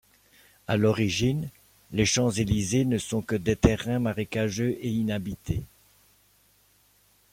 À l'origine, les Champs-Élysées ne sont que des terrains marécageux et inhabités.